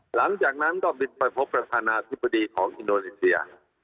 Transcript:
หลังจากนั้นก็บินไปพบประธานาธิบดีของอินโดนีเซีย